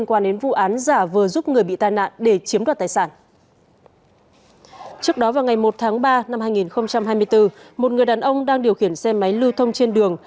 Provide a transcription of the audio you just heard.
năm hai nghìn ba năm hai nghìn hai mươi bốn một người đàn ông đang điều khiển xe máy lưu thông trên đường